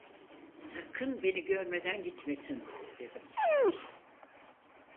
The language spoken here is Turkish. Sakın beni görmeden gitmesin! dedim.